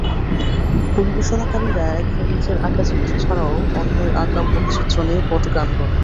পরিবেশনাকারীরা এখানে নিজের আঁকা চিত্র ছাড়াও অন্যের আঁকা পটচিত্র নিয়ে পটগান করেন।